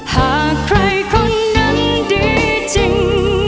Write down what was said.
หากใครคนนั้นดีจริง